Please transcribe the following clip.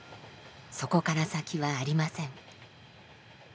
そこから先はありません。